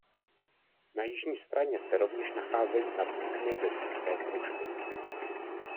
Na jižní straně se rovněž nacházejí nad okny gotické kružby.